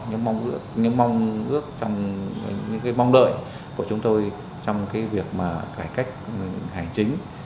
những cái mong ước những cái mong đợi của chúng tôi trong cái việc mà cải cách hành chính